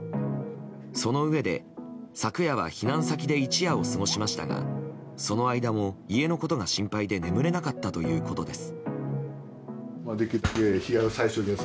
そのうえで、昨夜は避難先で一夜を過ごしましたがその間も家のことが心配で眠れなかったということです。